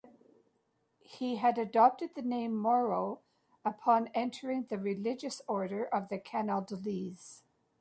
He had adopted the name Mauro upon entering the religious order of the Camaldolese.